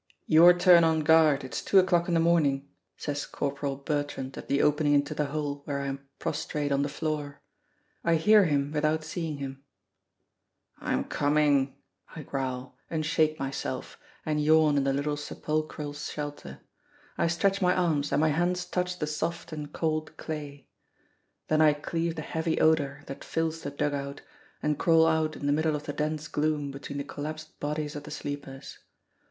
"Your turn on guard it's two o'clock in the morning," says Corporal Bertrand at the opening into the hole where I am prostrate on the floor. I hear him without seeing him. "I'm coming," I growl, and shake myself, and yawn in the little sepulchral shelter. I stretch my arms, and my hands touch the soft and cold clay. Then I cleave the heavy odor that fills the dug out and crawl out in the middle of the dense gloom between the collapsed bodies of the sleepers.